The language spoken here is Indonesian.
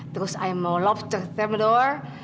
terus ayah mau lobster thermidor